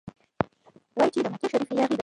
وايي چې د مکې شریف یاغي دی.